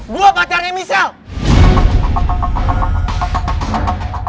gue bantar yang michelle